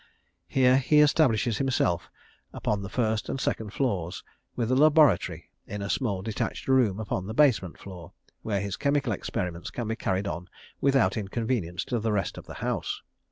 Here he establishes himself upon the first and second floors with a laboratory in a small detached room upon the basement floor, where his chemical experiments can be carried on without inconvenience to the rest of the house.